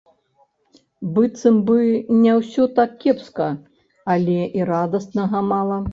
Быццам бы не ўсё так кепска, але і радаснага мала.